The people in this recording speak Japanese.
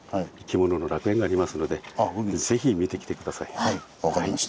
奄美のはい分かりました。